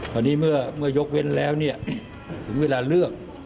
ตอนนี้เมื่อยกเว้นแล้วเนี่ยถึงเวลาเลือก